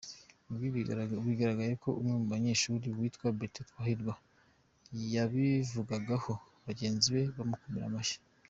Ibi, byagaragaye ubwo umwe mu banyeshuri witwa Bertin Twahirwa yabivugagaho bagenzi be bamukomera amashyi.